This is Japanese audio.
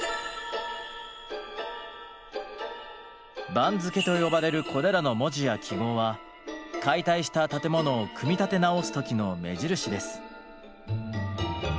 「番付」と呼ばれるこれらの文字や記号は解体した建物を組み立て直す時の目印です。